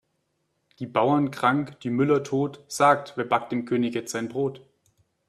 Die Bauern krank, die Müller tot, sagt wer backt dem König jetzt sein Brot?